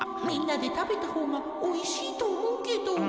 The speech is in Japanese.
みんなでたべたほうがおいしいとおもうけど。